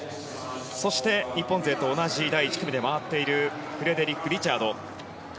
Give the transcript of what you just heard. そして日本勢と同じ第１組で回っているフレデリック・リチャード。